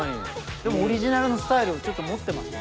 でもオリジナルのスタイルをちょっと持ってますよね。